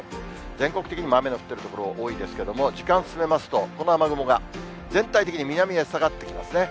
全国的にも雨の降ってる所、多いですけども、時間進めますと、この雨雲が全体的に南へ下がってきますね。